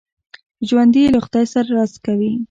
ژوندي له خدای سره راز کوي